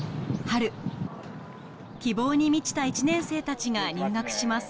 春希望に満ちた１年生たちが入学します